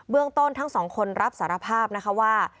เบื้องต้นทั้ง๒คนรับสารภาพว่า